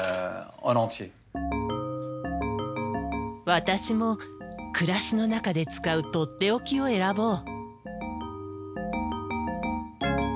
私も暮らしの中で使うとっておきを選ぼう。